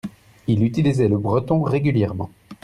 il utilisait le breton régulièrement.